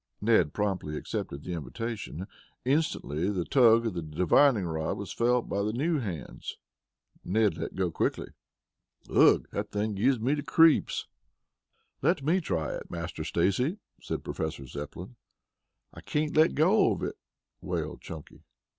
Ned promptly accepted the invitation. Instantly the tug of the divining rod was felt by the new hands. Ned let go quickly. "Ugh! The thing gives me the creeps." "Let me try it, Master Stacy," said Professor Zepplin. "I can't let go of it," wailed Chunky.